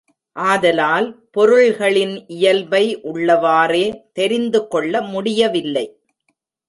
ஆதலால் பொருள்களின் இயல்பை உள்ளவாறே தெரிந்து கொள்ள முடியவில்லை.